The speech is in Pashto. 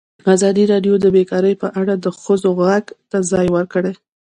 ازادي راډیو د بیکاري په اړه د ښځو غږ ته ځای ورکړی.